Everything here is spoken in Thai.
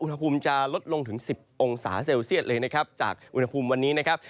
อุณหภูมิจะลดลงถึง๑๐องศาเซลเซียตเลยนะครับจากอุณหภูมิวันนี้นะครับ